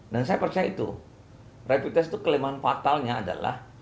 dan saya percaya itu rapi tes itu kelemahan fatalnya adalah